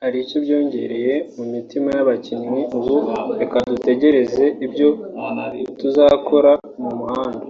hari icyo byongereye mu mitima y’abakinnyi ubu reka dutegereze ibyo tuzakora mu muhanda